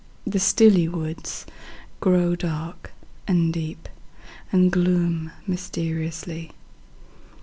The stilly woods8Grow dark and deep, and gloom mysteriously.